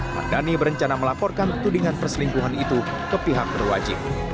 mardani berencana melaporkan tudingan perselingkuhan itu ke pihak berwajib